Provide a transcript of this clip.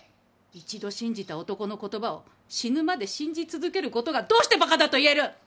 一度信じた男の言葉を死ぬまで信じ続ける事がどうして馬鹿だと言える！？